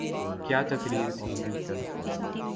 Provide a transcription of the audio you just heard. کیا تقریر تھی۔